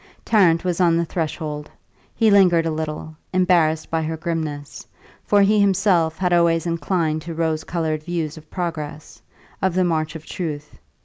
Tarrant was on the threshold; he lingered a little, embarrassed by her grimness, for he himself had always inclined to rose coloured views of progress, of the march of truth.